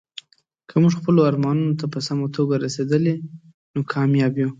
که موږ خپلو ارمانونو ته په سمه توګه رسیدلي، نو کامیاب یو.